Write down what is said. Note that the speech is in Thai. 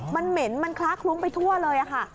มันเหม็นมันคล้าคลุ้งไปทั่วเลยค่ะ